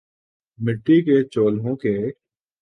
مٹی کے چولہوں کے